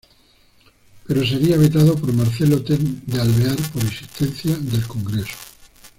Pero sería vetada por Marcelo T. de Alvear por insistencia del Congreso.